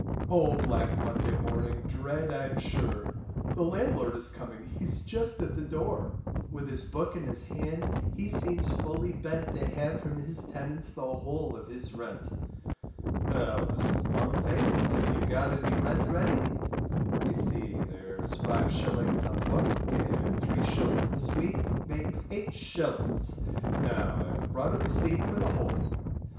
Oh, black Monday morning dread I'm sure, The landlord is coming, he's just at the door; With his book in his hand he seems fully bent To have from his tenants the whole of his rent. Well, Mrs. Longface, have you got any rent ready let me see, there's 5s. on the book, and 3s. this week makes 8s., now I have brought a receipt for the whole.